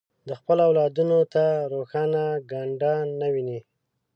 د خپلو اولادونو ته روښانه ګانده نه ویني.